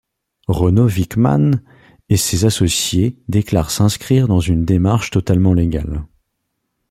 Renaud Veeckman et ses associés déclarent s'inscrire dans une démarche totalement légale.